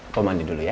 papa mandi dulu ya